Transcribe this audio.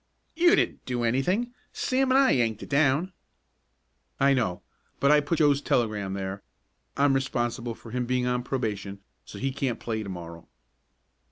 "You didn't do anything Sam and I yanked it down." "I know, but I put Joe's telegram there I'm responsible for him being on probation, so he can't play to morrow."